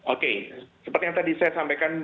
oke seperti yang tadi saya sampaikan